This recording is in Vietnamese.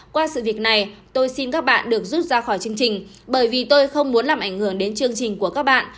qua sự việc này tôi xin các bạn được rút ra khỏi chương trình bởi vì tôi không muốn làm ảnh hưởng đến chương trình của các bạn